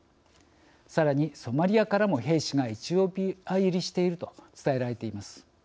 さらにソマリアからも兵士がエチオピア入りしていると伝えられています。